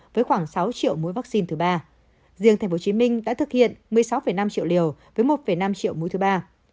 với khoảng sáu triệu mũi vaccine thứ ba riêng tp hcm đã thực hiện một mươi sáu năm triệu liều với một năm triệu mũi thứ ba